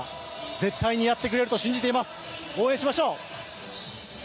絶対にやってくれると信じています、応援しましょう！